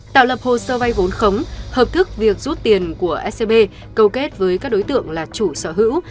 tạo lập hồ sơ vay vốn khống hợp thức việc rút tiền của scb câu kết với các đối tượng là chủ sở hữu